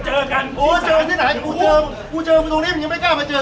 เจอกันโอ้เจอที่ไหนกูเจอกูเจอมึงตรงนี้มึงยังไม่กล้ามาเจอ